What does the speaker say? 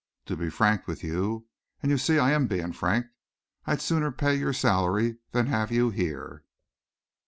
To be frank with you, and you see I am being frank, I'd sooner pay your salary than have you here."